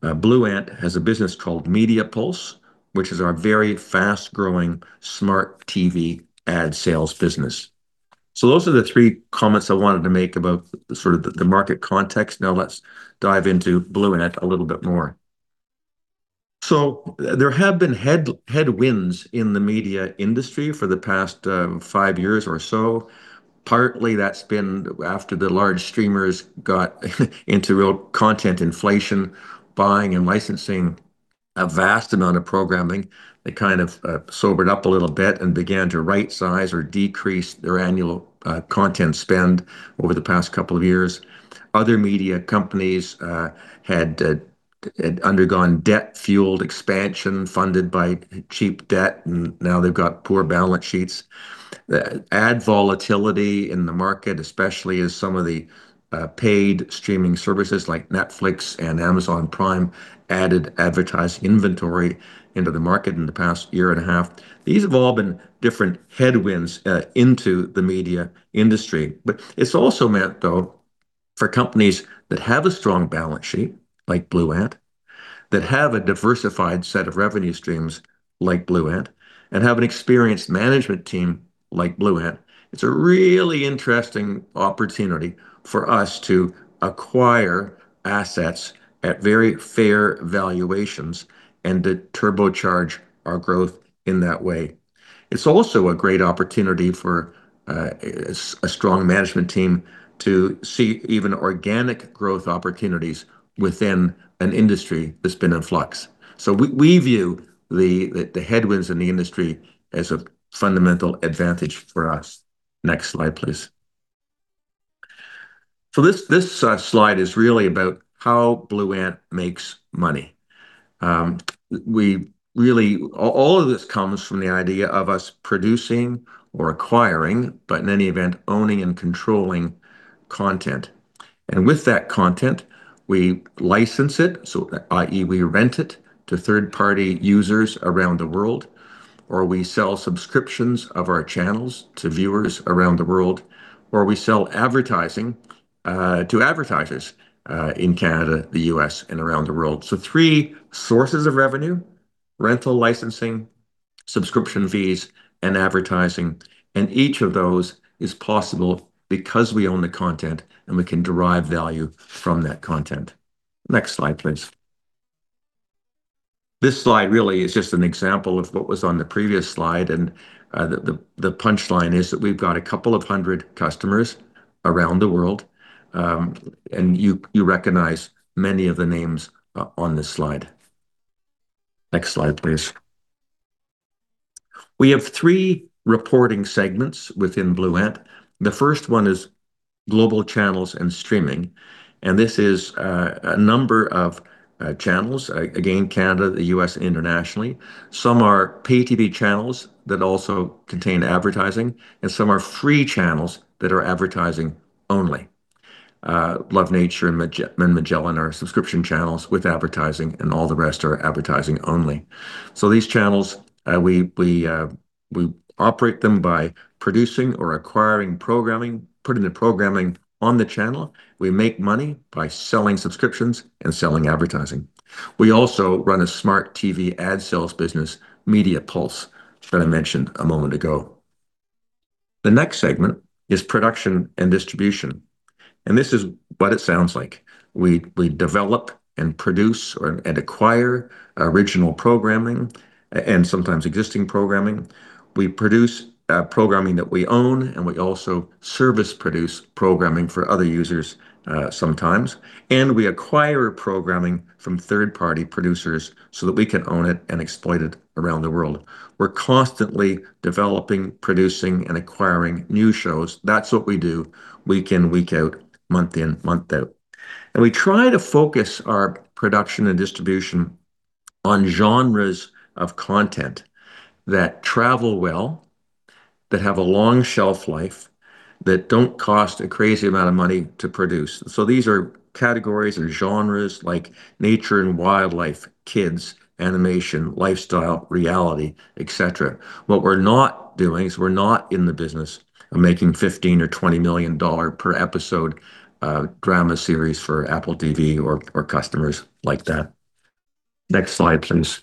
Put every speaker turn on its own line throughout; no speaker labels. Blue Ant has a business called MediaPulse, which is our very fast-growing smart TV ad sales business. So those are the three comments I wanted to make about sort of the market context. Now let's dive into Blue Ant a little bit more. So there have been headwinds in the media industry for the past five years or so. Partly, that's been after the large streamers got into real content inflation, buying and licensing a vast amount of programming. They kind of sobered up a little bit and began to right-size or decrease their annual content spend over the past couple of years. Other media companies had undergone debt-fueled expansion funded by cheap debt, and now they've got poor balance sheets. Ad volatility in the market, especially as some of the paid streaming services like Netflix and Amazon Prime added advertising inventory into the market in the past year and a half. These have all been different headwinds into the media industry. But it's also meant, though, for companies that have a strong balance sheet like Blue Ant, that have a diversified set of revenue streams like Blue Ant, and have an experienced management team like Blue Ant, it's a really interesting opportunity for us to acquire assets at very fair valuations and to turbocharge our growth in that way. It's also a great opportunity for a strong management team to see even organic growth opportunities within an industry that's been in flux. So we view the headwinds in the industry as a fundamental advantage for us. Next slide, please. So this slide is really about how Blue Ant makes money. All of this comes from the idea of us producing or acquiring, but in any event, owning and controlling content. And with that content, we license it, so i.e., we rent it to third-party users around the world, or we sell subscriptions of our channels to viewers around the world, or we sell advertising to advertisers in Canada, the U.S., and around the world. So three sources of revenue: rental licensing, subscription fees, and advertising. And each of those is possible because we own the content and we can derive value from that content. Next slide, please. This slide really is just an example of what was on the previous slide. And the punchline is that we've got a couple of hundred customers around the world, and you recognize many of the names on this slide. Next slide, please. We have three reporting segments within Blue Ant. The first one is global channels and streaming, and this is a number of channels, again, Canada, the U.S., and internationally. Some are pay-TV channels that also contain advertising, and some are free channels that are advertising only. Love Nature and MagellanTV are subscription channels with advertising, and all the rest are advertising only. So these channels, we operate them by producing or acquiring programming, putting the programming on the channel. We make money by selling subscriptions and selling advertising. We also run a smart TV ad sales business, MediaPulse, which I mentioned a moment ago. The next segment is production and distribution, and this is what it sounds like. We develop and produce or acquire original programming and sometimes existing programming. We produce programming that we own, and we also service-produce programming for other users sometimes. And we acquire programming from third-party producers so that we can own it and exploit it around the world. We're constantly developing, producing, and acquiring new shows. That's what we do. Week in, week out, month in, month out. And we try to focus our production and distribution on genres of content that travel well, that have a long shelf life, that don't cost a crazy amount of money to produce. So these are categories and genres like nature and wildlife, kids, animation, lifestyle, reality, etc. What we're not doing is we're not in the business of making $15-$20 million per episode drama series for Apple TV or customers like that. Next slide, please.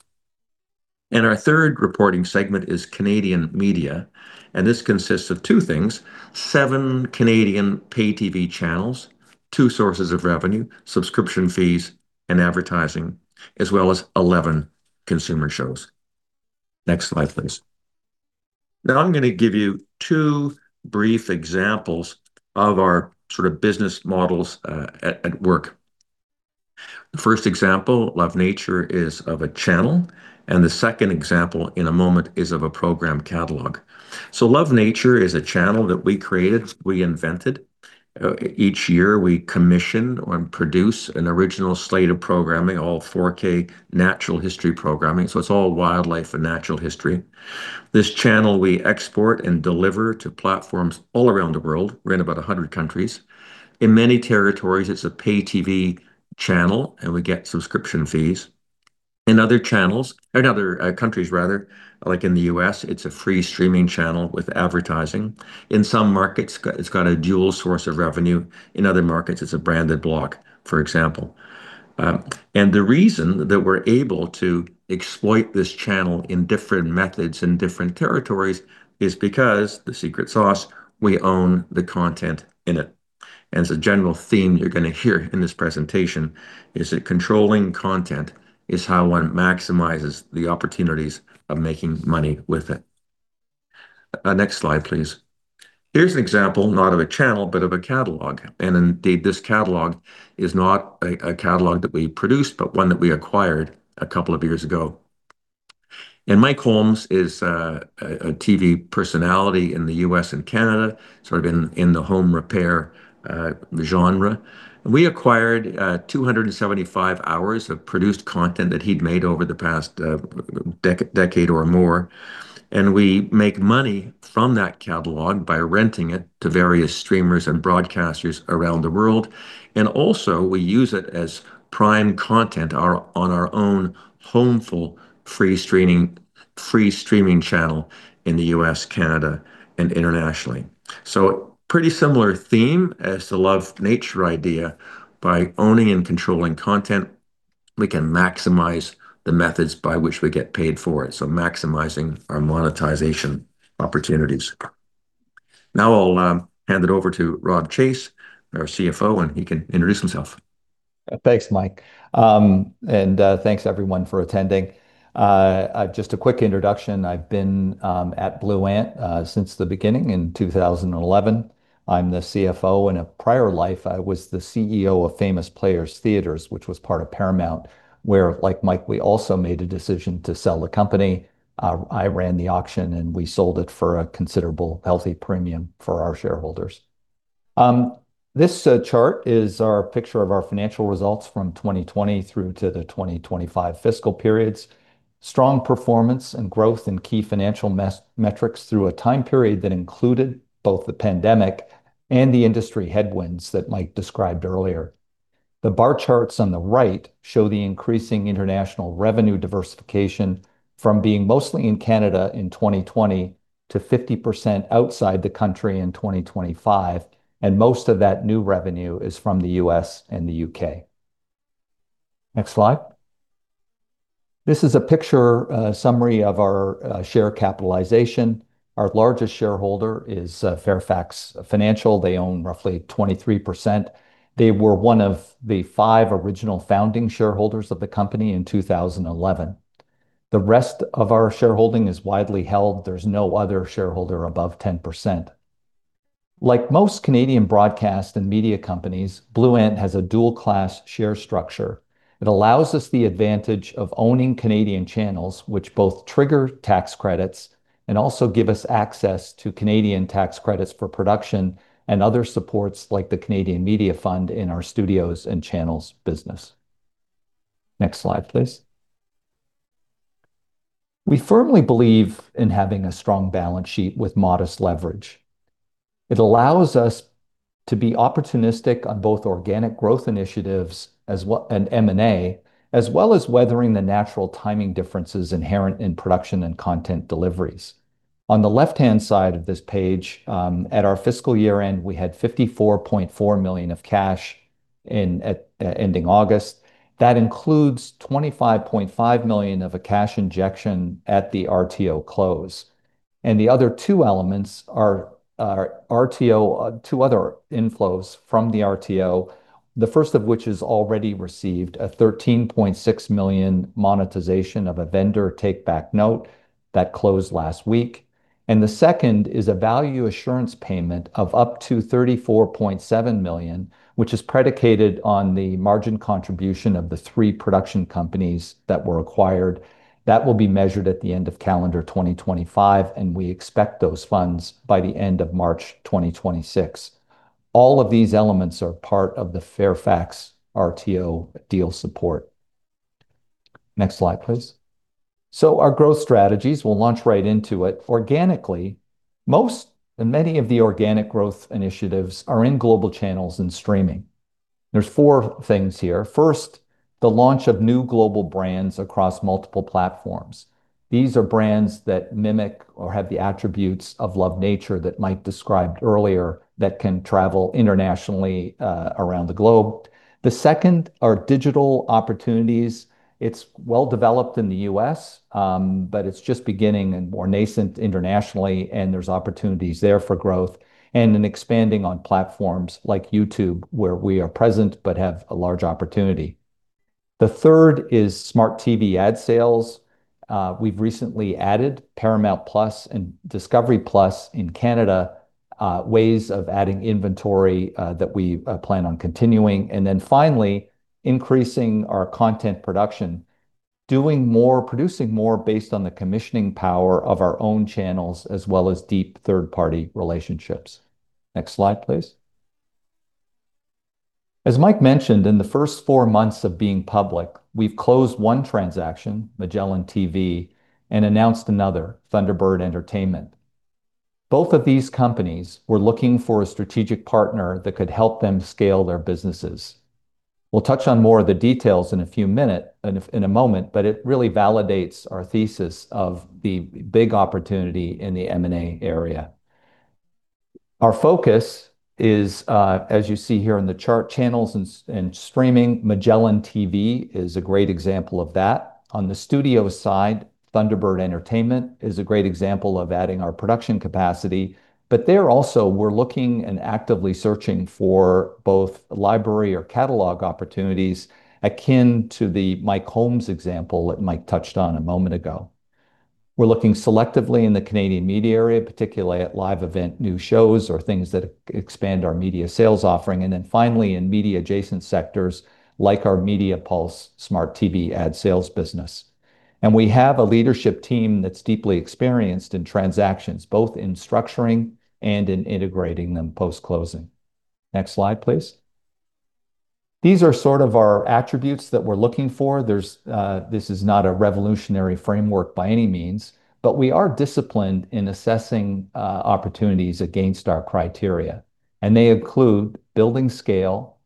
And our third reporting segment is Canadian media. And this consists of two things: seven Canadian pay-TV channels, two sources of revenue, subscription fees, and advertising, as well as 11 consumer shows. Next slide, please. Now I'm going to give you two brief examples of our sort of business models at work. The first example, Love Nature, is of a channel, and the second example in a moment is of a program catalog, so Love Nature is a channel that we created, we invented. Each year, we commission or produce an original slate of programming, all 4K natural history programming, so it's all wildlife and natural history. This channel, we export and deliver to platforms all around the world. We're in about 100 countries. In many territories, it's a pay-TV channel, and we get subscription fees. In other channels, in other countries, rather, like in the U.S., it's a free streaming channel with advertising. In some markets, it's got a dual source of revenue. In other markets, it's a branded block, for example. The reason that we're able to exploit this channel in different methods in different territories is because, the secret sauce, we own the content in it. The general theme you're going to hear in this presentation is that controlling content is how one maximizes the opportunities of making money with it. Next slide, please. Here's an example, not of a channel, but of a catalog. Indeed, this catalog is not a catalog that we produced, but one that we acquired a couple of years ago. Mike Holmes is a TV personality in the U.S. and Canada, sort of in the home repair genre. We acquired 275 hours of produced content that he'd made over the past decade or more. We make money from that catalog by renting it to various streamers and broadcasters around the world. And also, we use it as prime content on our own Homeful free streaming channel in the U.S., Canada, and internationally. So pretty similar theme as the Love Nature idea. By owning and controlling content, we can maximize the methods by which we get paid for it, so maximizing our monetization opportunities. Now I'll hand it over to Robb Chase, our CFO, and he can introduce himself.
Thanks, Mike. And thanks, everyone, for attending. Just a quick introduction. I've been at Blue Ant since the beginning in 2011. I'm the CFO. In a prior life, I was the CEO of Famous Players theaters, which was part of Paramount, where, like Mike, we also made a decision to sell the company. I ran the auction, and we sold it for a considerable, healthy premium for our shareholders. This chart is our picture of our financial results from 2020 through to the 2025 fiscal periods. Strong performance and growth in key financial metrics through a time period that included both the pandemic and the industry headwinds that Mike described earlier. The bar charts on the right show the increasing international revenue diversification from being mostly in Canada in 2020 to 50% outside the country in 2025. And most of that new revenue is from the U.S. and the U.K. Next slide. This is a picture summary of our share capitalization. Our largest shareholder is Fairfax Financial. They own roughly 23%. They were one of the five original founding shareholders of the company in 2011. The rest of our shareholding is widely held. There's no other shareholder above 10%. Like most Canadian broadcast and media companies, Blue Ant has a dual-class share structure. It allows us the advantage of owning Canadian channels, which both trigger tax credits and also give us access to Canadian tax credits for production and other supports like the Canadian Media Fund in our studios and channels business. Next slide, please. We firmly believe in having a strong balance sheet with modest leverage. It allows us to be opportunistic on both organic growth initiatives and M&A, as well as weathering the natural timing differences inherent in production and content deliveries. On the left-hand side of this page, at our fiscal year end, we had 54.4 million of cash ending August. That includes 25.5 million of a cash injection at the RTO close. And the other two elements are two other inflows from the RTO, the first of which has already received a 13.6 million monetization of a vendor take-back note that closed last week. And the second is a value assurance payment of up to 34.7 million, which is predicated on the margin contribution of the three production companies that were acquired. That will be measured at the end of calendar 2025, and we expect those funds by the end of March 2026. All of these elements are part of the Fairfax RTO deal support. Next slide, please. So our growth strategies, we'll launch right into it. Organically, most and many of the organic growth initiatives are in global channels and streaming. There's four things here. First, the launch of new global brands across multiple platforms. These are brands that mimic or have the attributes of Love Nature that Mike described earlier that can travel internationally around the globe. The second are digital opportunities. It's well developed in the U.S., but it's just beginning and more nascent internationally, and there's opportunities there for growth and expanding on platforms like YouTube, where we are present but have a large opportunity. The third is smart TV ad sales. We've recently added Paramount+ and Discovery+ in Canada, ways of adding inventory that we plan on continuing, and then finally, increasing our content production, doing more, producing more based on the commissioning power of our own channels as well as deep third-party relationships. Next slide, please. As Mike mentioned, in the first four months of being public, we've closed one transaction, MagellanTV, and announced another, Thunderbird Entertainment. Both of these companies were looking for a strategic partner that could help them scale their businesses. We'll touch on more of the details in a few minutes in a moment, but it really validates our thesis of the big opportunity in the M&A area. Our focus is, as you see here in the chart, channels and streaming. MagellanTV is a great example of that. On the studio side, Thunderbird Entertainment is a great example of adding our production capacity. But there also, we're looking and actively searching for both library or catalog opportunities akin to the Mike Holmes example that Mike touched on a moment ago. We're looking selectively in the Canadian media area, particularly at live event, new shows or things that expand our media sales offering, and then finally, in media-adjacent sectors like our MediaPulse Smart TV ad sales business, and we have a leadership team that's deeply experienced in transactions, both in structuring and in integrating them post-closing. Next slide, please. These are sort of our attributes that we're looking for. This is not a revolutionary framework by any means, but we are disciplined in assessing opportunities against our criteria, and they include building scale,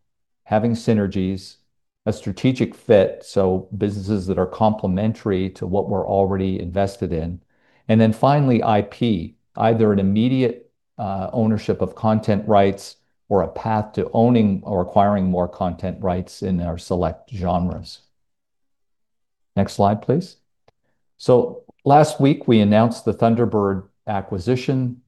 having synergies, a strategic fit, so businesses that are complementary to what we're already invested in, and then finally, IP, either an immediate ownership of content rights or a path to owning or acquiring more content rights in our select genres. Next slide, please. Last week, we announced the Thunderbird acquisition.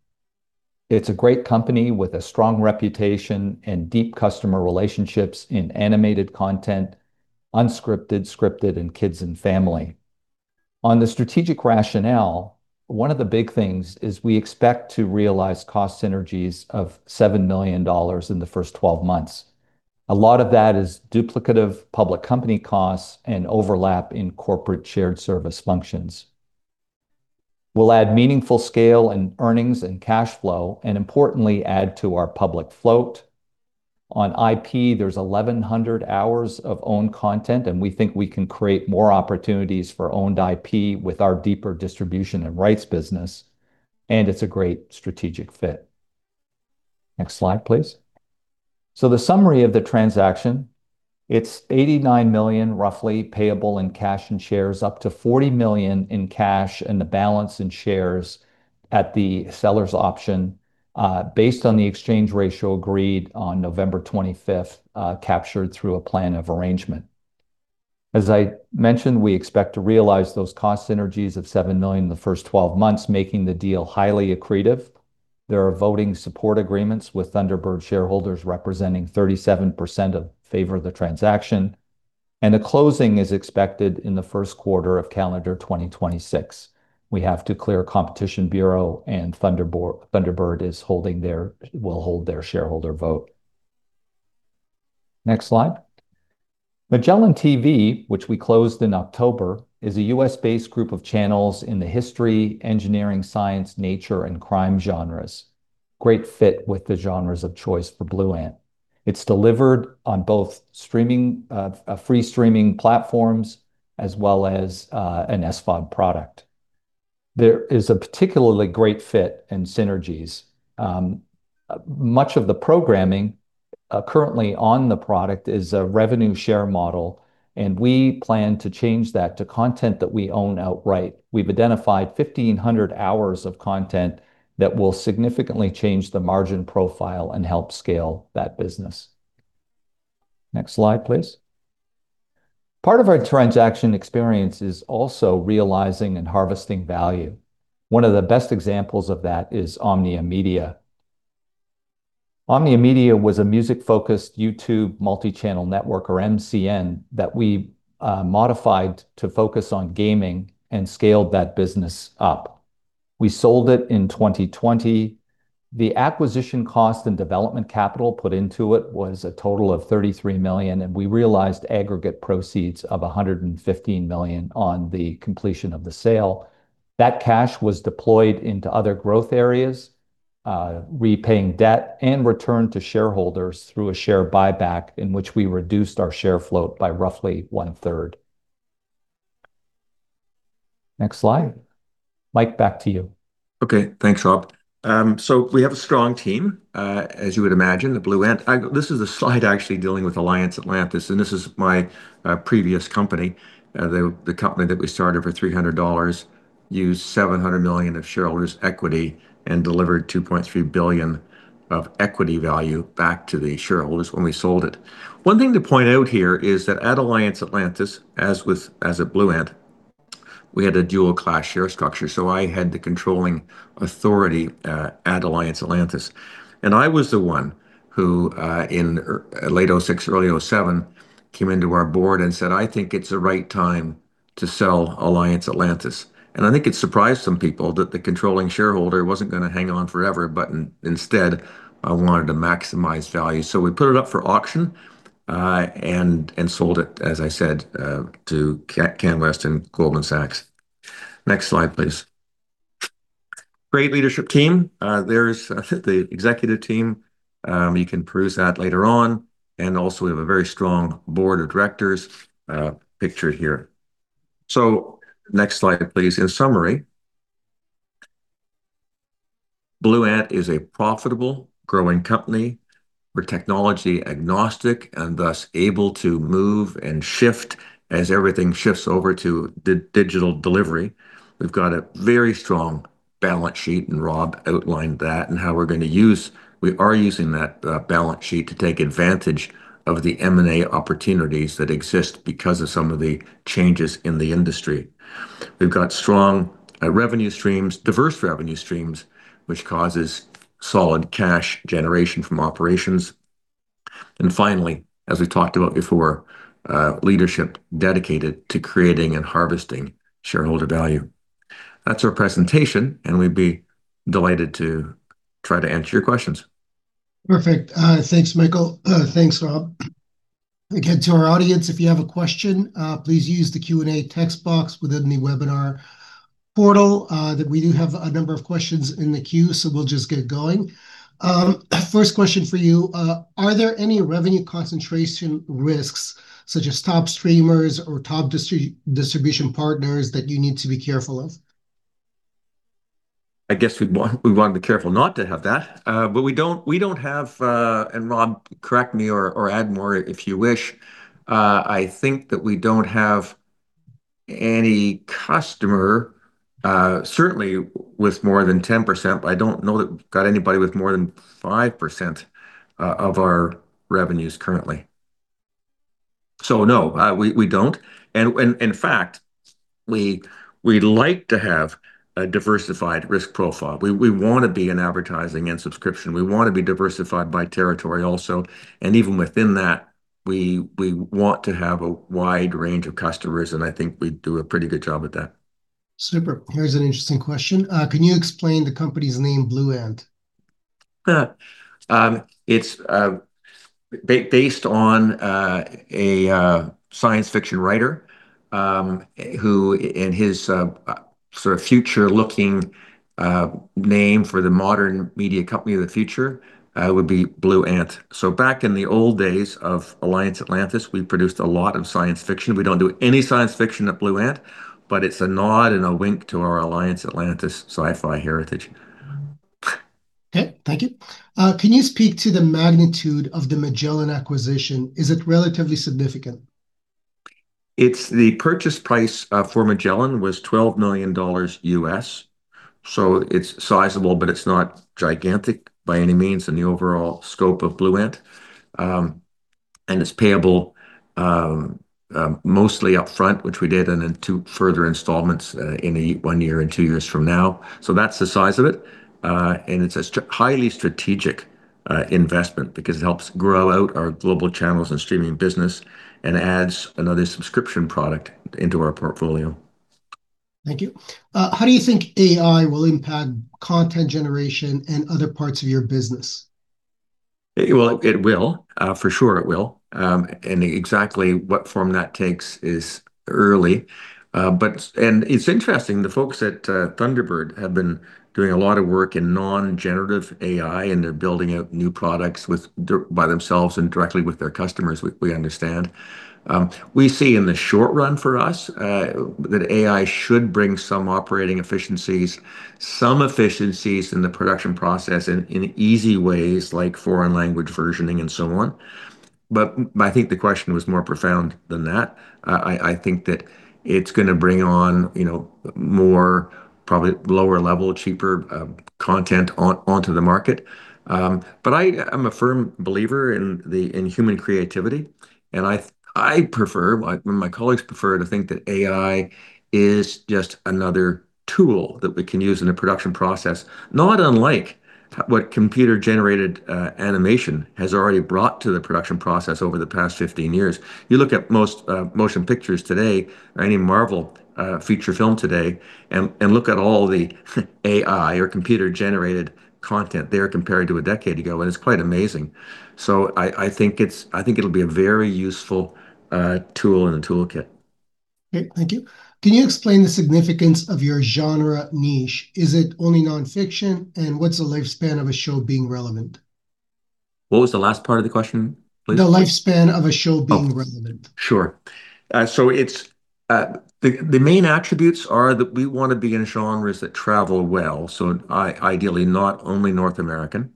It's a great company with a strong reputation and deep customer relationships in animated content, unscripted, scripted, and kids and family. On the strategic rationale, one of the big things is we expect to realize cost synergies of 7 million dollars in the first 12 months. A lot of that is duplicative public company costs and overlap in corporate shared service functions. We'll add meaningful scale and earnings and cash flow, and importantly, add to our public float. On IP, there's 1,100 hours of owned content, and we think we can create more opportunities for owned IP with our deeper distribution and rights business. And it's a great strategic fit. Next slide, please. So the summary of the transaction, it's 89 million, roughly, payable in cash and shares, up to 40 million in cash and the balance in shares at the seller's option based on the exchange ratio agreed on November 25th, captured through a plan of arrangement. As I mentioned, we expect to realize those cost synergies of 7 million in the first 12 months, making the deal highly accretive. There are voting support agreements with Thunderbird shareholders representing 37% in favor of the transaction. And the closing is expected in the first quarter of calendar 2026. We have to clear Competition Bureau, and Thunderbird will hold their shareholder vote. Next slide. MagellanTV, which we closed in October, is a U.S.-based group of channels in the history, engineering, science, nature, and crime genres. Great fit with the genres of choice for Blue Ant. It's delivered on both free streaming platforms as well as an SVOD product. There is a particularly great fit and synergies. Much of the programming currently on the product is a revenue share model, and we plan to change that to content that we own outright. We've identified 1,500 hours of content that will significantly change the margin profile and help scale that business. Next slide, please. Part of our transaction experience is also realizing and harvesting value. One of the best examples of that is Omnia Media. Omnia Media was a music-focused YouTube multi-channel network, or MCN, that we modified to focus on gaming and scaled that business up. We sold it in 2020. The acquisition cost and development capital put into it was a total of 33 million, and we realized aggregate proceeds of 115 million on the completion of the sale. That cash was deployed into other growth areas, repaying debt and returned to shareholders through a share buyback in which we reduced our share float by roughly one-third. Next slide. Mike, back to you.
Okay. Thanks, Rob. So we have a strong team, as you would imagine, at Blue Ant. This is a slide actually dealing with Alliance Atlantis, and this is my previous company. The company that we started for 300,000 dollars, raised 700 million of shareholders' equity and delivered 2.3 billion of equity value back to the shareholders when we sold it. One thing to point out here is that at Alliance Atlantis, as with Blue Ant, we had a dual-class share structure. So I had the controlling authority at Alliance Atlantis. And I was the one who, in late 2006, early 2007, came into our board and said, "I think it's the right time to sell Alliance Atlantis." And I think it surprised some people that the controlling shareholder wasn't going to hang on forever, but instead, I wanted to maximize value. We put it up for auction and sold it, as I said, to CanWest and Goldman Sachs. Next slide, please. Great leadership team. There's the executive team. You can peruse that later on, and also, we have a very strong board of directors pictured here, so next slide, please. In summary, Blue Ant is a profitable, growing company. We're technology agnostic and thus able to move and shift as everything shifts over to digital delivery. We've got a very strong balance sheet, and Robb outlined that and how we're going to use. We are using that balance sheet to take advantage of the M&A opportunities that exist because of some of the changes in the industry. We've got strong revenue streams, diverse revenue streams, which causes solid cash generation from operations, and finally, as we talked about before, leadership dedicated to creating and harvesting shareholder value. That's our presentation, and we'd be delighted to try to answer your questions.
Perfect. Thanks, Michael. Thanks, Robb. Again, to our audience, if you have a question, please use the Q&A text box within the webinar portal. We do have a number of questions in the queue, so we'll just get going. First question for you. Are there any revenue concentration risks, such as top streamers or top distribution partners, that you need to be careful of?
I guess we want to be careful not to have that. But we don't have, and Robb, correct me or add more if you wish. I think that we don't have any customer, certainly with more than 10%, but I don't know that we've got anybody with more than 5% of our revenues currently. So no, we don't. And in fact, we like to have a diversified risk profile. We want to be in advertising and subscription. We want to be diversified by territory also. And even within that, we want to have a wide range of customers, and I think we do a pretty good job at that.
Super. Here's an interesting question. Can you explain the company's name, Blue Ant?
It's based on a science fiction writer who, in his sort of future-looking name for the modern media company of the future, would be Blue Ant. So back in the old days of Alliance Atlantis, we produced a lot of science fiction. We don't do any science fiction at Blue Ant, but it's a nod and a wink to our Alliance Atlantis sci-fi heritage.
Okay. Thank you. Can you speak to the magnitude of the Magellan acquisition? Is it relatively significant?
The purchase price for Magellan was $12 million U.S. So it's sizable, but it's not gigantic by any means in the overall scope of Blue Ant. And it's payable mostly upfront, which we did, and then two further installments in one year and two years from now. So that's the size of it. And it's a highly strategic investment because it helps grow out our global channels and streaming business and adds another subscription product into our portfolio.
Thank you. How do you think AI will impact content generation and other parts of your business?
Well, it will. For sure, it will. And exactly what form that takes is early. And it's interesting. The folks at Thunderbird have been doing a lot of work in non-generative AI, and they're building out new products by themselves and directly with their customers, we understand. We see in the short run for us that AI should bring some operating efficiencies, some efficiencies in the production process in easy ways, like foreign language versioning and so on. But I think the question was more profound than that. I think that it's going to bring on more, probably lower-level, cheaper content onto the market. But I'm a firm believer in human creativity. I prefer, my colleagues prefer to think that AI is just another tool that we can use in the production process, not unlike what computer-generated animation has already brought to the production process over the past 15 years. You look at most motion pictures today, any Marvel feature film today, and look at all the AI or computer-generated content there compared to a decade ago, and it's quite amazing. I think it'll be a very useful tool in the toolkit.
Okay. Thank you. Can you explain the significance of your genre niche? Is it only non-fiction? And what's the lifespan of a show being relevant?
What was the last part of the question, please?
The lifespan of a show being relevant.
Sure. So the main attributes are that we want to be in genres that travel well. So ideally, not only North American,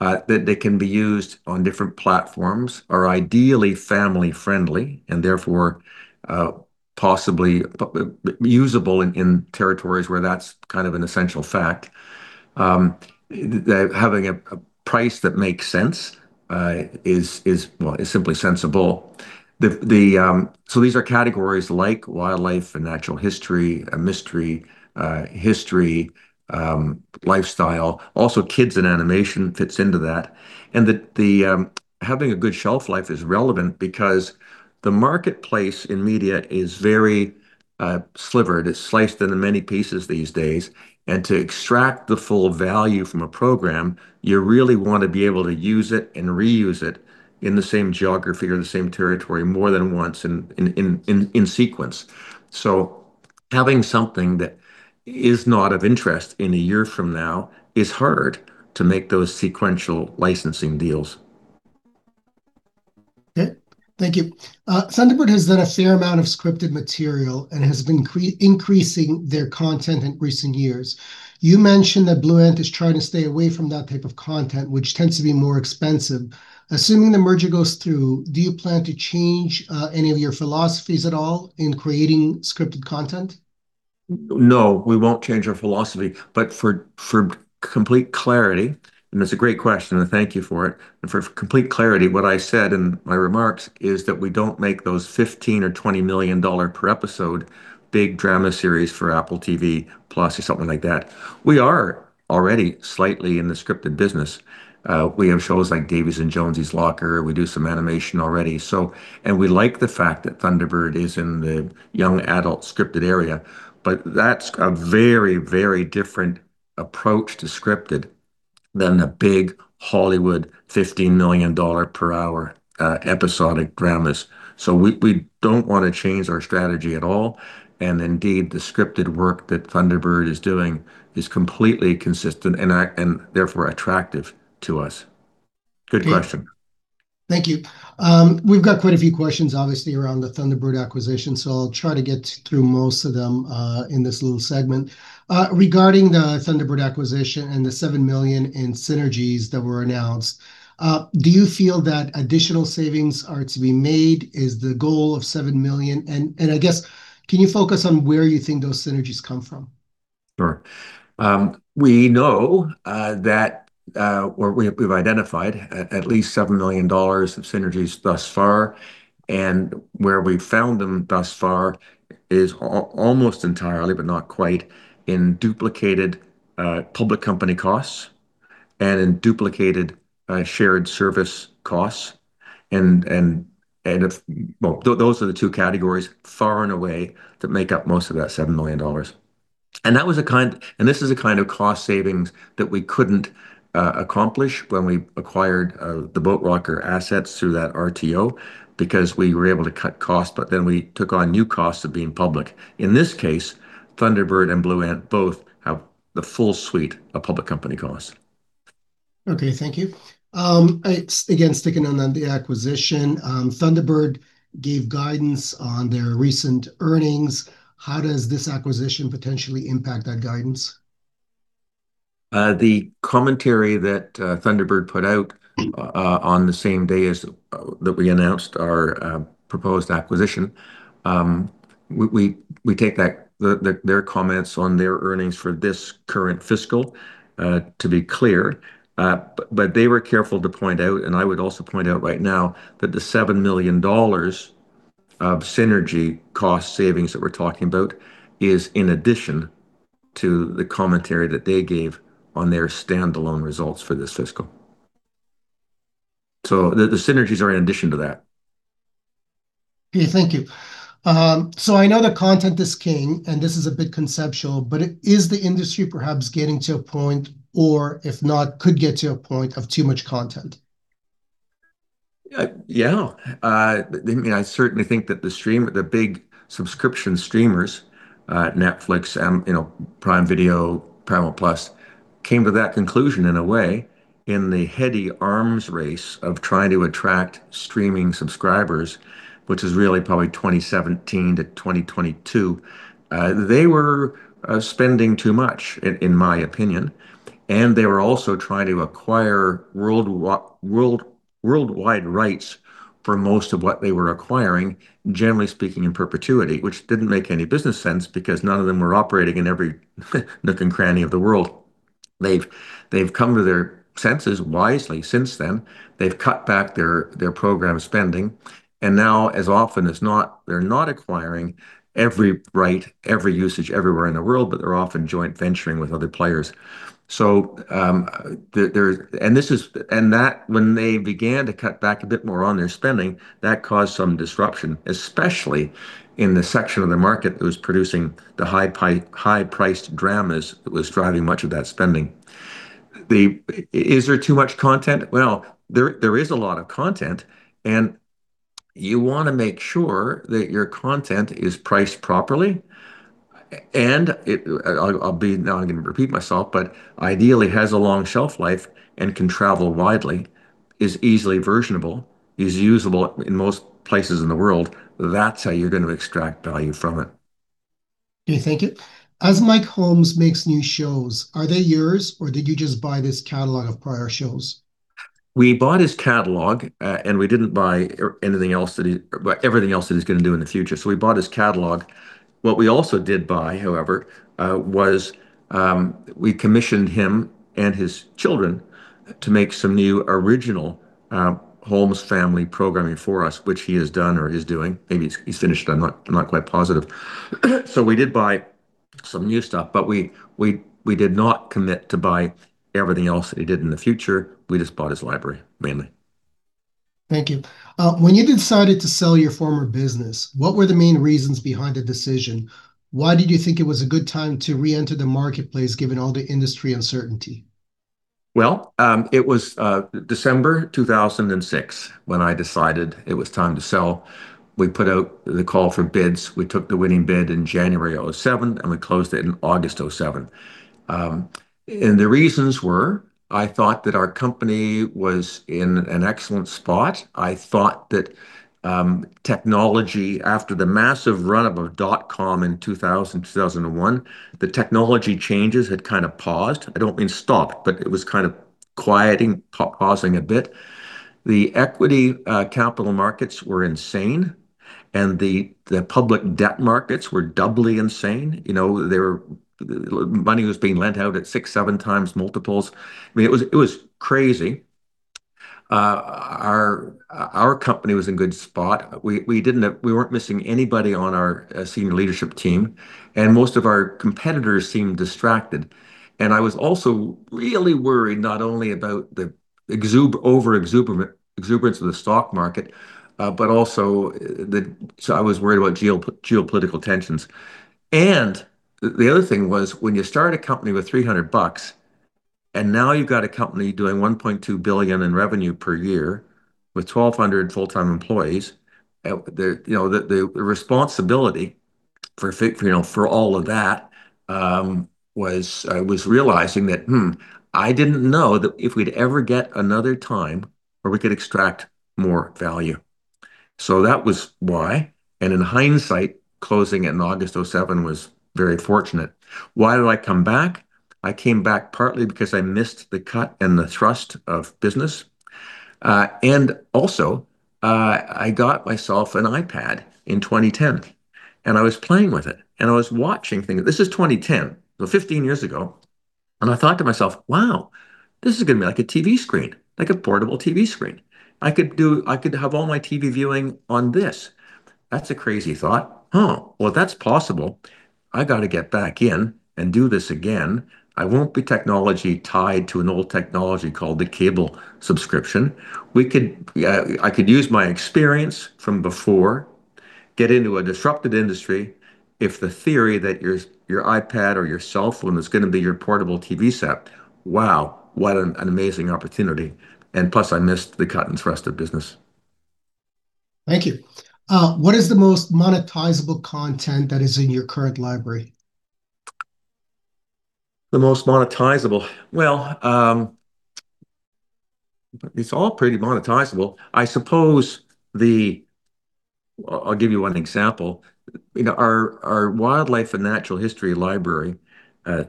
that they can be used on different platforms, are ideally family-friendly, and therefore possibly usable in territories where that's kind of an essential fact. Having a price that makes sense is, well, is simply sensible. So these are categories like wildlife and natural history, mystery, history, lifestyle. Also, kids and animation fits into that. And having a good shelf life is relevant because the marketplace in media is very slivered. It's sliced into many pieces these days. And to extract the full value from a program, you really want to be able to use it and reuse it in the same geography or the same territory more than once in sequence. So having something that is not of interest in a year from now is hard to make those sequential licensing deals.
Okay. Thank you. Thunderbird has done a fair amount of scripted material and has been increasing their content in recent years. You mentioned that Blue Ant is trying to stay away from that type of content, which tends to be more expensive. Assuming the merger goes through, do you plan to change any of your philosophies at all in creating scripted content?
No, we won't change our philosophy. For complete clarity, that's a great question, and thank you for it. For complete clarity, what I said in my remarks is that we don't make those $15 or $20 million per episode big drama series for Apple TV+ or something like that. We are already slightly in the scripted business. We have shows like Davey & Jonesie's Locker. We do some animation already. We like the fact that Thunderbird is in the young adult scripted area. That's a very, very different approach to scripted than the big Hollywood $15 million per hour episodic dramas. We don't want to change our strategy at all. The scripted work that Thunderbird is doing is completely consistent and therefore attractive to us. Good question.
Thank you. We've got quite a few questions, obviously, around the Thunderbird acquisition. So I'll try to get through most of them in this little segment. Regarding the Thunderbird acquisition and the 7 million in synergies that were announced, do you feel that additional savings are to be made? Is the goal of 7 million? And I guess, can you focus on where you think those synergies come from?
Sure. We know that we've identified at least $7 million of synergies thus far. And where we found them thus far is almost entirely, but not quite, in duplicated public company costs and in duplicated shared service costs. And those are the two categories far and away that make up most of that $7 million. And that was a kind of, and this is a kind of cost savings that we couldn't accomplish when we acquired the Boat Rocker assets through that RTO because we were able to cut costs, but then we took on new costs of being public. In this case, Thunderbird and Blue Ant both have the full suite of public company costs.
Okay. Thank you. Again, sticking on that, the acquisition, Thunderbird gave guidance on their recent earnings. How does this acquisition potentially impact that guidance?
The commentary that Thunderbird put out on the same day that we announced our proposed acquisition. We take their comments on their earnings for this current fiscal to be clear. But they were careful to point out, and I would also point out right now, that the 7 million dollars of synergy cost savings that we're talking about is in addition to the commentary that they gave on their standalone results for this fiscal. So the synergies are in addition to that.
Okay. Thank you. So I know that content is king, and this is a bit conceptual, but is the industry perhaps getting to a point, or if not, could get to a point of too much content?
Yeah. I mean, I certainly think that the big subscription streamers, Netflix, Prime Video, Paramount+, came to that conclusion in a way in the heady arms race of trying to attract streaming subscribers, which is really probably 2017 to 2022. They were spending too much, in my opinion, and they were also trying to acquire worldwide rights for most of what they were acquiring, generally speaking, in perpetuity, which didn't make any business sense because none of them were operating in every nook and cranny of the world. They've come to their senses wisely since then. They've cut back their program spending, and now, as often as not, they're not acquiring every right, every usage everywhere in the world, but they're often joint venturing with other players. That when they began to cut back a bit more on their spending, that caused some disruption, especially in the section of the market that was producing the high-priced dramas that was driving much of that spending. Is there too much content? There is a lot of content. You want to make sure that your content is priced properly. I'll be now going to repeat myself, but ideally, it has a long shelf life and can travel widely, is easily versionable, is usable in most places in the world. That's how you're going to extract value from it.
Okay. Thank you. As Mike Holmes makes new shows, are they yours, or did you just buy this catalog of prior shows?
We bought his catalog, and we didn't buy anything else, everything else that he's going to do in the future. So we bought his catalog. What we also did buy, however, was we commissioned him and his children to make some new original Holmes family programming for us, which he has done or is doing. Maybe he's finished. I'm not quite positive. So we did buy some new stuff, but we did not commit to buy everything else that he did in the future. We just bought his library, mainly.
Thank you. When you decided to sell your former business, what were the main reasons behind the decision? Why did you think it was a good time to re-enter the marketplace given all the industry uncertainty?
It was December 2006 when I decided it was time to sell. We put out the call for bids. We took the winning bid in January 2007, and we closed it in August 2007. The reasons were, I thought that our company was in an excellent spot. I thought that technology, after the massive run-up of dot-com in 2000, 2001, the technology changes had kind of paused. I don't mean stopped, but it was kind of quieting, pausing a bit. The equity capital markets were insane, and the public debt markets were doubly insane. Money was being lent out at six, seven times multiples. I mean, it was crazy. Our company was in good spot. We weren't missing anybody on our senior leadership team. Most of our competitors seemed distracted. And I was also really worried not only about the over-exuberance of the stock market, but also that I was worried about geopolitical tensions. And the other thing was, when you start a company with 300 bucks and now you've got a company doing 1.2 billion in revenue per year with 1,200 full-time employees, the responsibility for all of that was realizing that, I didn't know that if we'd ever get another time where we could extract more value. So that was why. And in hindsight, closing it in August 2007 was very fortunate. Why did I come back? I came back partly because I missed the cut and thrust of business. And also, I got myself an iPad in 2010, and I was playing with it. And I was watching things. This is 2010, so 15 years ago. And I thought to myself, "Wow, this is going to be like a TV screen, like a portable TV screen. I could have all my TV viewing on this." That's a crazy thought. Oh, well, that's possible. I got to get back in and do this again. I won't be technology tied to an old technology called the cable subscription. I could use my experience from before, get into a disrupted industry if the theory that your iPad or your cell phone is going to be your portable TV set, wow, what an amazing opportunity. And plus, I missed the cut and thrust of business.
Thank you. What is the most monetizable content that is in your current library?
The most monetizable? It's all pretty monetizable. I suppose I'll give you one example. Our Wildlife and Natural History Library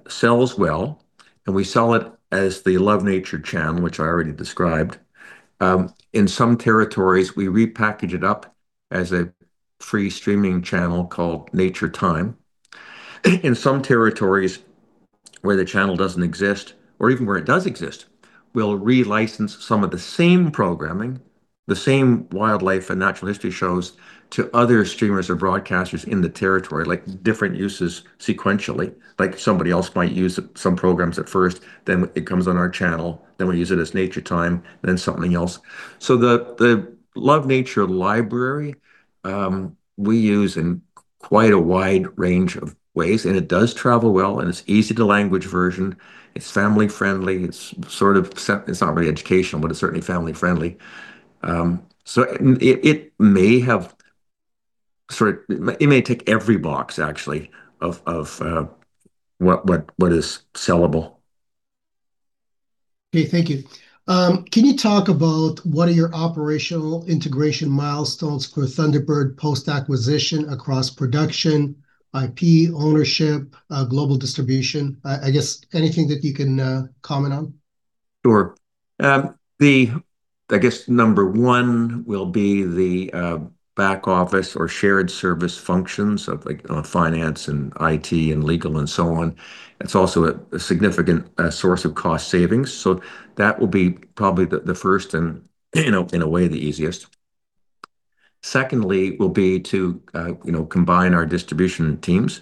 sells well, and we sell it as the Love Nature channel, which I already described. In some territories, we repackage it up as a free streaming channel called Nature Time. In some territories where the channel doesn't exist, or even where it does exist, we'll relicense some of the same programming, the same Wildlife and Natural History shows to other streamers or broadcasters in the territory, like different uses sequentially. Like somebody else might use some programs at first, then it comes on our channel, then we use it as Nature Time, then something else. The Love Nature Library, we use in quite a wide range of ways. It does travel well, and it's easy to language version. It's family-friendly. It's sort of not really educational, but it's certainly family-friendly. So it may sort of tick every box, actually, of what is sellable.
Okay. Thank you. Can you talk about what are your operational integration milestones for Thunderbird post-acquisition across production, IP, ownership, global distribution? I guess anything that you can comment on?
Sure. I guess number one will be the back office or shared service functions of finance and IT and legal and so on. It's also a significant source of cost savings, so that will be probably the first and, in a way, the easiest. Secondly, will be to combine our distribution teams,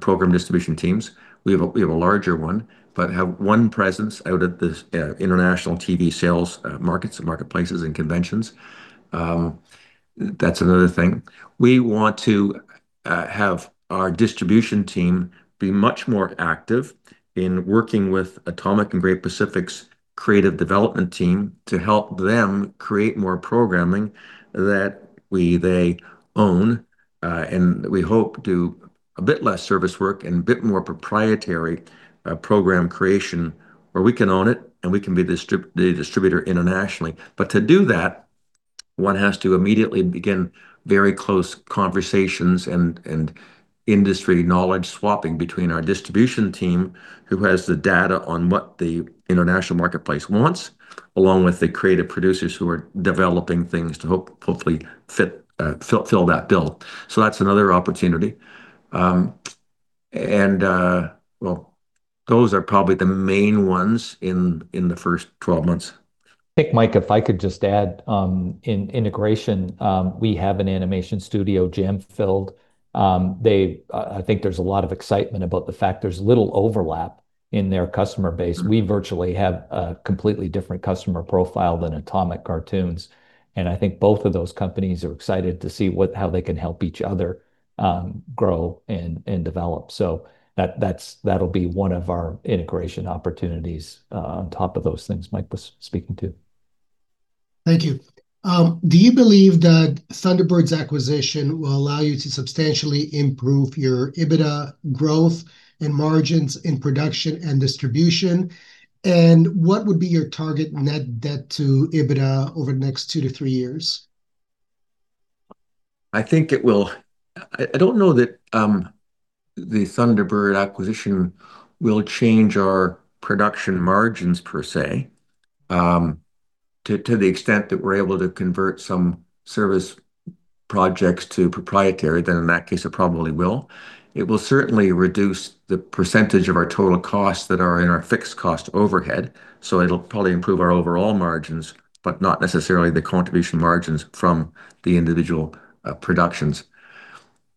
program distribution teams. We have a larger one, but have one presence out at the international TV sales markets, marketplaces, and conventions. That's another thing. We want to have our distribution team be much more active in working with Atomic and Great Pacific's creative development team to help them create more programming that they own, and we hope to do a bit less service work and a bit more proprietary program creation where we can own it and we can be the distributor internationally. But to do that, one has to immediately begin very close conversations and industry knowledge swapping between our distribution team who has the data on what the international marketplace wants, along with the creative producers who are developing things to hopefully fill that bill. So that's another opportunity. And well, those are probably the main ones in the first 12 months.
I think, Mike, if I could just add, in integration, we have an animation studio Jam Filled. I think there's a lot of excitement about the fact there's little overlap in their customer base. We virtually have a completely different customer profile than Atomic Cartoons. And I think both of those companies are excited to see how they can help each other grow and develop. So that'll be one of our integration opportunities on top of those things Mike was speaking to.
Thank you. Do you believe that Thunderbird's acquisition will allow you to substantially improve your EBITDA growth and margins in production and distribution? And what would be your target net debt to EBITDA over the next two to three years?
I think it will. I don't know that the Thunderbird acquisition will change our production margins per se. To the extent that we're able to convert some service projects to proprietary, then in that case, it probably will. It will certainly reduce the percentage of our total costs that are in our fixed cost overhead. So it'll probably improve our overall margins, but not necessarily the contribution margins from the individual productions.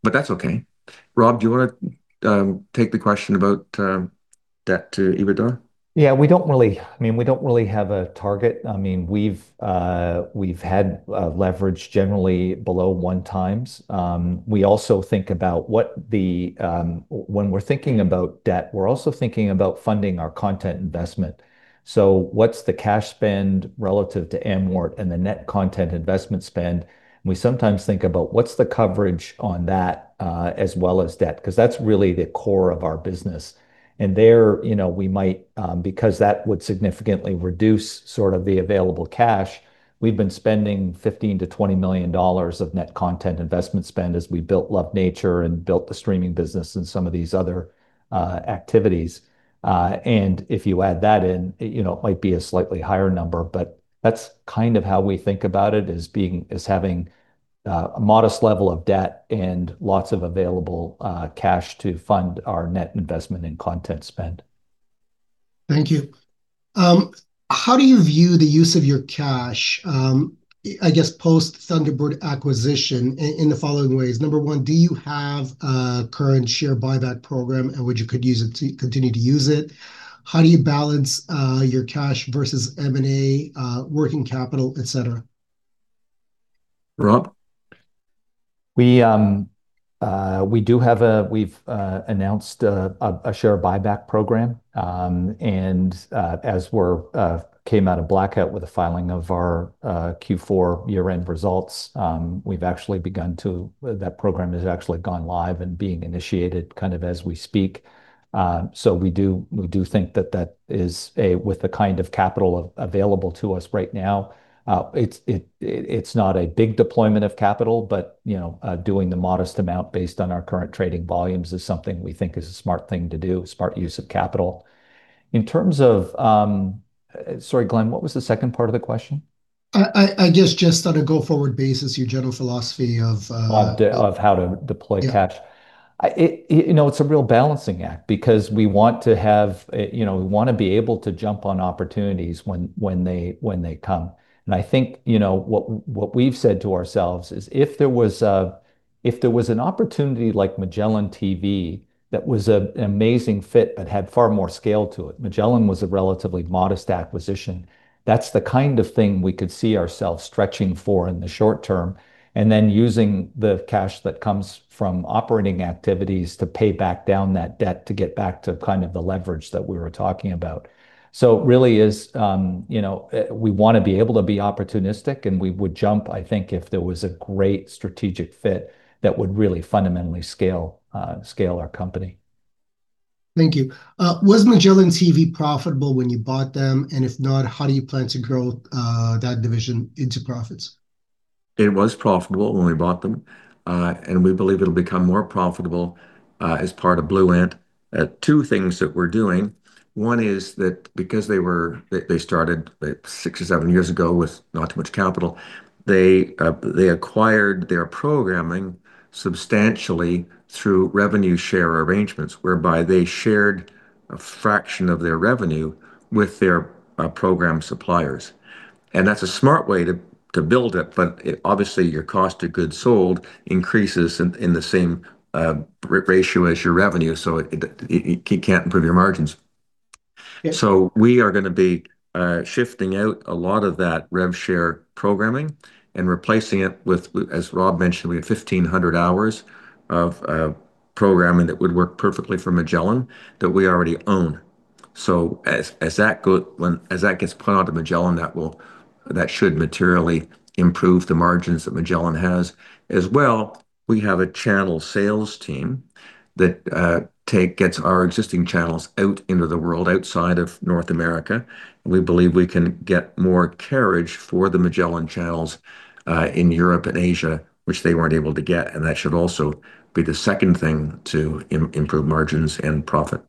But that's okay. Robb, do you want to take the question about debt to EBITDA?
Yeah. I mean, we don't really have a target. I mean, we've had leverage generally below one times. We also think about what, when we're thinking about debt, we're also thinking about funding our content investment. So what's the cash spend relative to amort and the net content investment spend? We sometimes think about what's the coverage on that as well as debt because that's really the core of our business. And there, we might because that would significantly reduce sort of the available cash. We've been spending 15 million-20 million dollars of net content investment spend as we built Love Nature and built the streaming business and some of these other activities. If you add that in, it might be a slightly higher number, but that's kind of how we think about it as having a modest level of debt and lots of available cash to fund our net investment and content spend.
Thank you. How do you view the use of your cash, I guess, post-Thunderbird acquisition in the following ways? Number one, do you have a current share buyback program and would you continue to use it? How do you balance your cash versus M&A, working capital, etc.?
Rob?
We've announced a share buyback program. As we came out of blackout with the filing of our Q4 year-end results, that program has actually gone live and is being initiated kind of as we speak. We do think that, with the kind of capital available to us right now, it's not a big deployment of capital, but doing the modest amount based on our current trading volumes is something we think is a smart thing to do, smart use of capital. In terms of, sorry, Glenn, what was the second part of the question?
I guess just on a go-forward basis, your general philosophy of.
Of how to deploy cash. It's a real balancing act because we want to be able to jump on opportunities when they come, and I think what we've said to ourselves is if there was an opportunity like MagellanTV that was an amazing fit but had far more scale to it. MagellanTV was a relatively modest acquisition. That's the kind of thing we could see ourselves stretching for in the short term, and then using the cash that comes from operating activities to pay back down that debt to get back to kind of the leverage that we were talking about. So it really is we want to be able to be opportunistic, and we would jump, I think, if there was a great strategic fit that would really fundamentally scale our company.
Thank you. Was MagellanTV profitable when you bought them? And if not, how do you plan to grow that division into profits?
It was profitable when we bought them, and we believe it'll become more profitable as part of Blue Ant. Two things that we're doing. One is that because they started six or seven years ago with not too much capital, they acquired their programming substantially through revenue share arrangements, whereby they shared a fraction of their revenue with their program suppliers. And that's a smart way to build it, but obviously, your cost of goods sold increases in the same ratio as your revenue, so you can't improve your margins, so we are going to be shifting out a lot of that rev share programming and replacing it with, as Rob mentioned, we had 1,500 hours of programming that would work perfectly for Magellan that we already own, so as that gets put onto Magellan, that should materially improve the margins that Magellan has. As well, we have a channel sales team that gets our existing channels out into the world outside of North America. We believe we can get more carriage for the Magellan channels in Europe and Asia, which they weren't able to get. That should also be the second thing to improve margins and profit.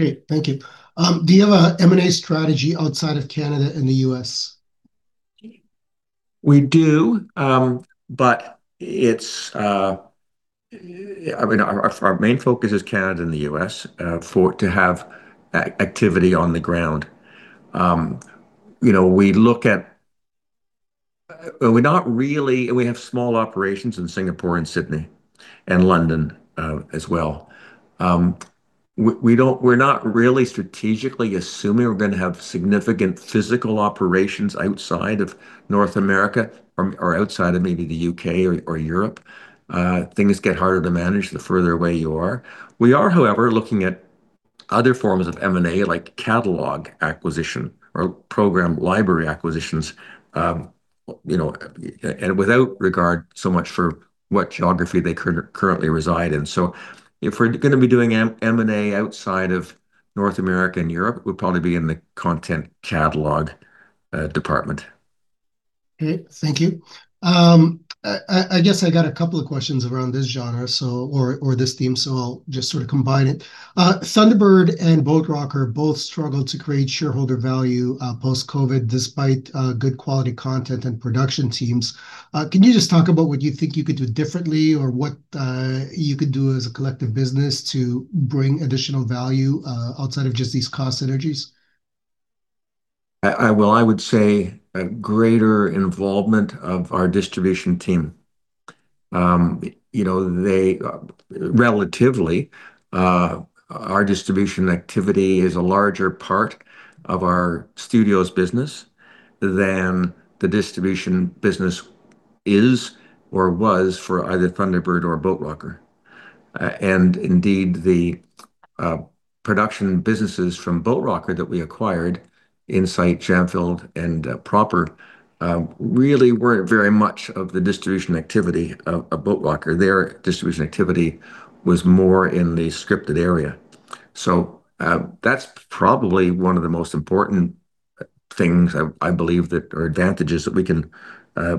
Okay. Thank you. Do you have an M&A strategy outside of Canada and the U.S.?
We do, but our main focus is Canada and the U.S. to have activity on the ground. We also have small operations in Singapore and Sydney and London as well. We're not really strategically assuming we're going to have significant physical operations outside of North America or outside of maybe the U.K. or Europe. Things get harder to manage the further away you are. We are, however, looking at other forms of M&A like catalog acquisition or program library acquisitions without regard so much for what geography they currently reside in. So if we're going to be doing M&A outside of North America and Europe, it would probably be in the content catalog department.
Okay. Thank you. I guess I got a couple of questions around this genre or this theme, so I'll just sort of combine it. Thunderbird and Boat Rocker both struggled to create shareholder value post-COVID despite good quality content and production teams. Can you just talk about what you think you could do differently or what you could do as a collective business to bring additional value outside of just these cost synergies?
Well, I would say a greater involvement of our distribution team. Relatively, our distribution activity is a larger part of our studios business than the distribution business is or was for either Thunderbird or Boat Rocker. And indeed, the production businesses from Boat Rocker that we acquired, Insight, Jam Filled, and Proper, really weren't very much of the distribution activity of Boat Rocker. Their distribution activity was more in the scripted area. So that's probably one of the most important things I believe that are advantages that we can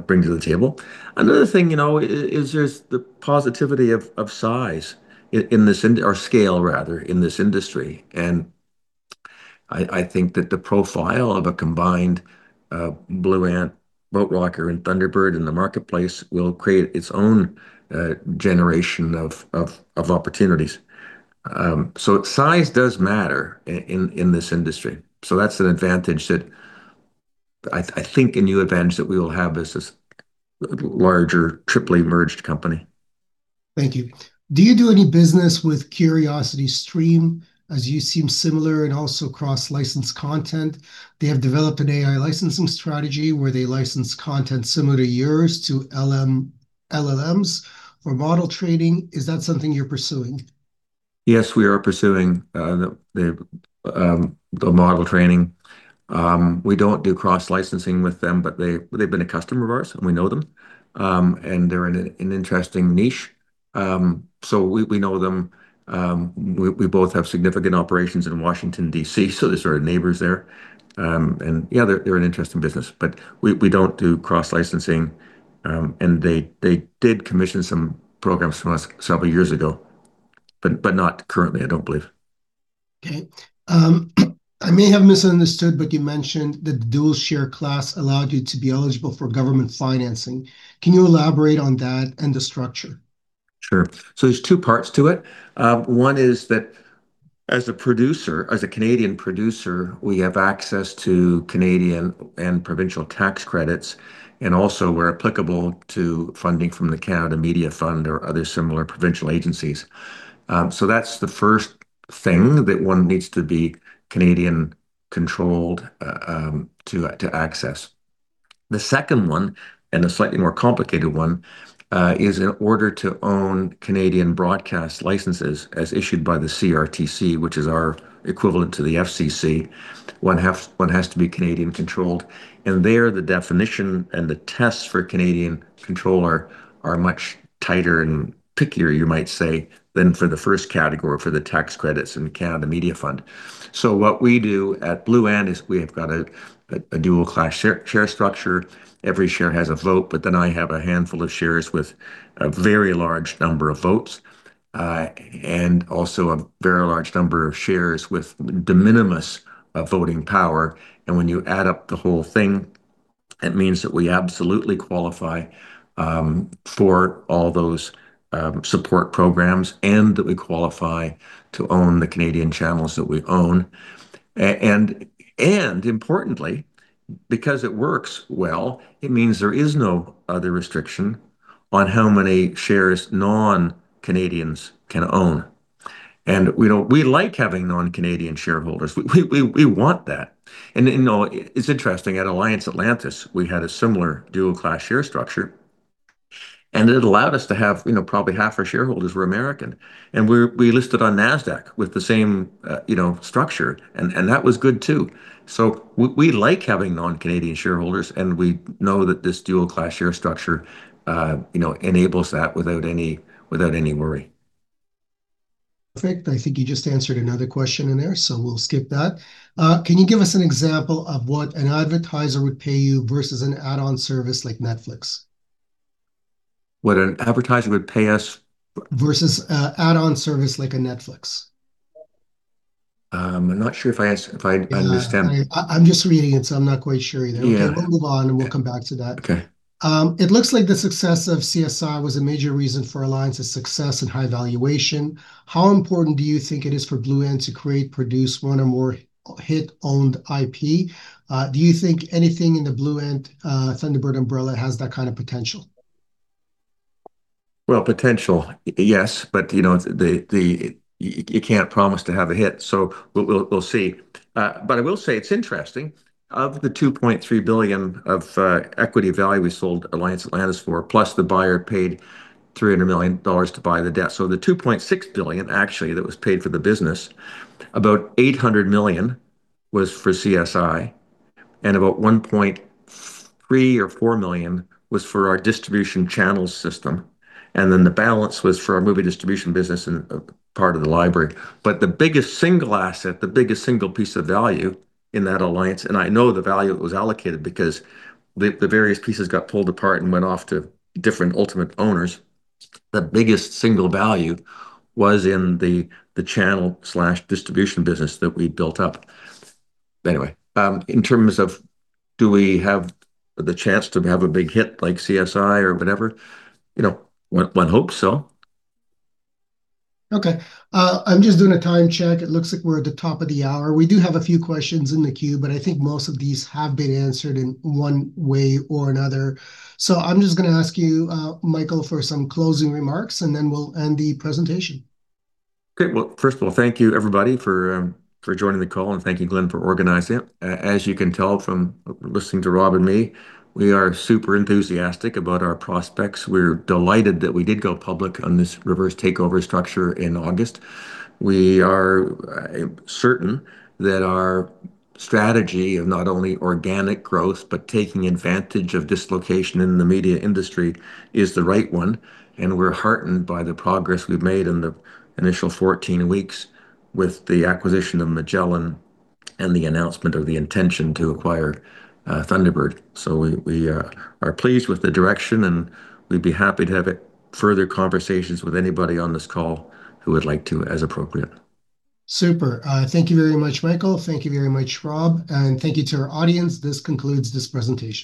bring to the table. Another thing is there's the positivity of size in this or scale, rather, in this industry. And I think that the profile of a combined Blue Ant Boat Rocker and Thunderbird in the marketplace will create its own generation of opportunities. So size does matter in this industry. So that's an advantage that I think a new advantage that we will have as a larger triply merged company.
Thank you. Do you do any business with Curiosity Stream as you seem similar and also cross-license content? They have developed an AI licensing strategy where they license content similar to yours to LLMs for model training. Is that something you're pursuing?
Yes, we are pursuing the model training. We don't do cross-licensing with them, but they've been a customer of ours, and we know them. They're in an interesting niche. We know them. We both have significant operations in Washington, D.C., so they're sort of neighbors there. Yeah, they're an interesting business, but we don't do cross-licensing. They did commission some programs from us several years ago, but not currently, I don't believe.
Okay. I may have misunderstood, but you mentioned that the dual-class share allowed you to be eligible for government financing. Can you elaborate on that and the structure?
Sure. So there's two parts to it. One is that as a producer, as a Canadian producer, we have access to Canadian and provincial tax credits. And also, we're applicable to funding from the Canada Media Fund or other similar provincial agencies. So that's the first thing that one needs to be Canadian-controlled to access. The second one, and a slightly more complicated one, is in order to own Canadian broadcast licenses as issued by the CRTC, which is our equivalent to the FCC, one has to be Canadian-controlled. And there, the definition and the tests for Canadian control are much tighter and pickier, you might say, than for the first category for the tax credits and Canada Media Fund. So what we do at Blue Ant is we have got a dual-class share structure. Every share has a vote, but then I have a handful of shares with a very large number of votes and also a very large number of shares with de minimis voting power. And when you add up the whole thing, it means that we absolutely qualify for all those support programs and that we qualify to own the Canadian channels that we own. And importantly, because it works well, it means there is no other restriction on how many shares non-Canadians can own. And we like having non-Canadian shareholders. We want that. And it's interesting. At Alliance Atlantis, we had a similar dual-class share structure. And it allowed us to have probably half our shareholders were American. And we listed on NASDAQ with the same structure. And that was good too. We like having non-Canadian shareholders, and we know that this dual-class share structure enables that without any worry.
Perfect. I think you just answered another question in there, so we'll skip that. Can you give us an example of what an advertiser would pay you versus an add-on service like Netflix?
What an advertiser would pay us?
Versus an add-on service like a Netflix.
I'm not sure if I understand.
I'm just reading it, so I'm not quite sure either.
Yeah.
Okay. We'll move on, and we'll come back to that.
Okay.
It looks like the success of CSI was a major reason for Alliance's success and high valuation. How important do you think it is for Blue Ant to create, produce one or more hit-owned IP? Do you think anything in the Blue Ant Thunderbird umbrella has that kind of potential?
Well, potential, yes, but you can't promise to have a hit. So we'll see. But I will say it's interesting. Of the 2.3 billion of equity value we sold Alliance Atlantis for, plus the buyer paid 300 million dollars to buy the debt. So the 2.6 billion, actually, that was paid for the business, about 800 million was for CSI, and about 1.3 or 4 million was for our distribution channel system. And then the balance was for our movie distribution business and part of the library. But the biggest single asset, the biggest single piece of value in that Alliance, and I know the value that was allocated because the various pieces got pulled apart and went off to different ultimate owners, the biggest single value was in the channel/distribution business that we built up. Anyway, in terms of, do we have the chance to have a big hit like CSI or whatever, one hopes so.
Okay. I'm just doing a time check. It looks like we're at the top of the hour. We do have a few questions in the queue, but I think most of these have been answered in one way or another. So I'm just going to ask you, Michael, for some closing remarks, and then we'll end the presentation.
Okay. Well, first of all, thank you, everybody, for joining the call, and thank you, Glenn, for organizing it. As you can tell from listening to Rob and me, we are super enthusiastic about our prospects. We're delighted that we did go public on this reverse takeover structure in August. We are certain that our strategy of not only organic growth, but taking advantage of dislocation in the media industry is the right one. And we're heartened by the progress we've made in the initial 14 weeks with the acquisition of MagellanTV and the announcement of the intention to acquire Thunderbird. So we are pleased with the direction, and we'd be happy to have further conversations with anybody on this call who would like to, as appropriate.
Super. Thank you very much, Michael. Thank you very much, Rob. And thank you to our audience. This concludes this presentation.